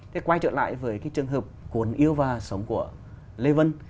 thế quay trở lại với cái trường hợp cuốn yêu và sống của lê vân